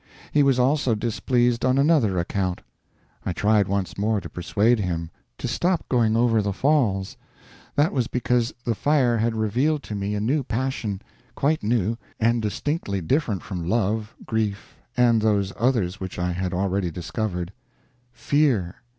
He was also displeased on another account: I tried once more to persuade him to stop going over the Falls. That was because the fire had revealed to me a new passion quite new, and distinctly different from love, grief, and those others which I had already discovered fear.